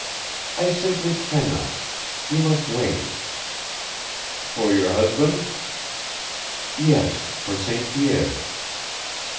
"I simply can not. You must wait." "For your husband?" "Yes, for St. Pierre."